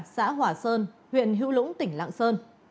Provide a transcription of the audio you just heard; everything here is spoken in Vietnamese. xã hỏa sơn huyện hữu lũng tỉnh lạng sơn